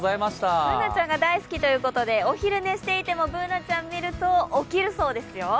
Ｂｏｏｎａちゃんが大好きということでお昼寝していてもＢｏｏｎａちゃんを見ると起きるそうですよ。